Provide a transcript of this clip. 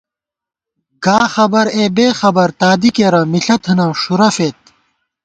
گا خبر اے بېخبر ، تادی کېرہ ، مِݪہ تھنہ ، ݭُورہ فېد